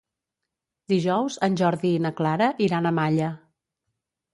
Dijous en Jordi i na Clara iran a Malla.